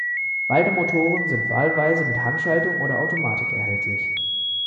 Beide Motoren sind wahlweise mit Handschaltung oder Automatik erhältlich.